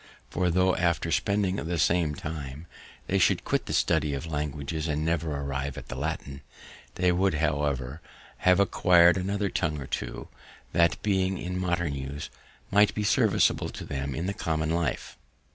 for, tho', after spending the same time, they should quit the study of languages and never arrive at the Latin, they would, however, have acquired another tongue or two, that, being in modern use, might be serviceable to them in common life.